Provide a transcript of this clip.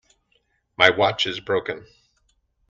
My watch is broken.